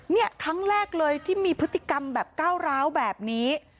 เนี่ยครั้งแรกเลยที่มีพฤติกรรมแบบก้าวร้าวแบบนี้